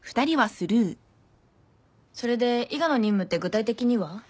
それで伊賀の任務って具体的には？